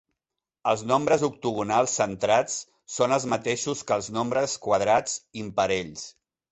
Els nombres octogonals centrats són els mateixos que els nombres quadrats imparells.